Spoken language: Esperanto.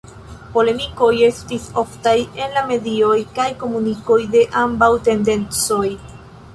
Polemikoj estis oftaj en la medioj kaj komunikiloj de ambaŭ tendencoj.